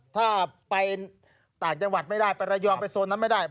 ถ้าไปต่างจังหวัดไม่ได้ไประยองไปโซนนั้นไม่ได้